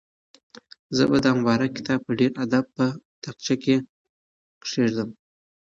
زه به دا مبارک کتاب په ډېر ادب په تاقچه کې کېږدم.